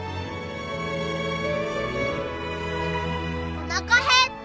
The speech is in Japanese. おなか減った。